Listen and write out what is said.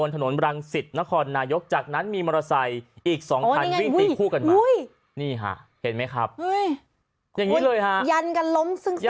มอเตอร์ไซคันนี้ล้มทะเละไปใกล้มากเลย